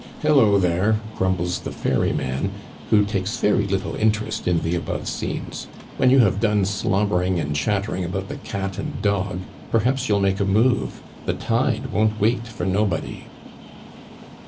" Hello there !" grumbles the ferr)rman, who takes very little interest in the above scenes, " when you have done slobbering and chattering about the cat and dog, perhaps you'll make a move. The tide won't wait for nobody."